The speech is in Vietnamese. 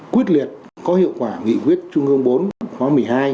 quyết liệt có hiệu quả nghị quyết trung ương bốn khóa một mươi hai